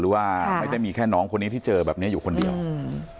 ว่าไม่ได้มีแค่น้องคนนี้ที่เจอแบบเนี้ยอยู่คนเดียวอืม